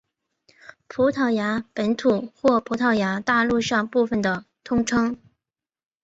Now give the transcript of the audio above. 葡萄牙本土或葡萄牙大陆上部分的通称。